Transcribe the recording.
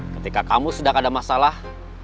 ketika kamu sedang ada masalah